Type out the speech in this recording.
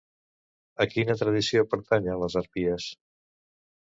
A quina tradició pertanyen les harpies?